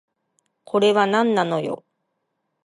これはなんなのよ